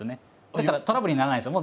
だからトラブルにならないんですよ。